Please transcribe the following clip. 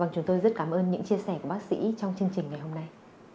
chúng tôi rất cảm ơn những chia sẻ của bác sĩ trong chương trình ngày hôm nay